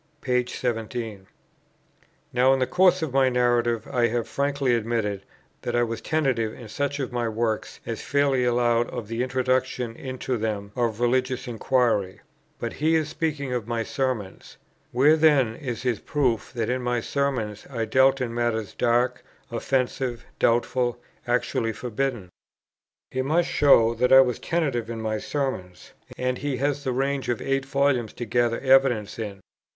p. 17. Now, in the course of my Narrative, I have frankly admitted that I was tentative in such of my works as fairly allowed of the introduction into them of religious inquiry; but he is speaking of my Sermons; where, then, is his proof that in my Sermons I dealt in matters dark, offensive, doubtful, actually forbidden? He must show that I was tentative in my Sermons; and he has the range of eight volumes to gather evidence in.